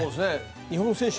日本選手